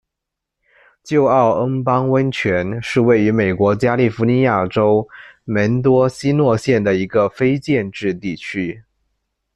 旧奥恩邦温泉是位于美国加利福尼亚州门多西诺县的一个非建制地区。